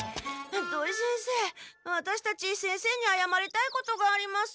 土井先生ワタシたち先生にあやまりたいことがあります。